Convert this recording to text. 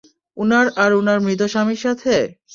উনার আর উনার মৃত স্বামীর সাথে?